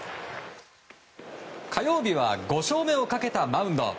火曜日は５勝目をかけたマウンド。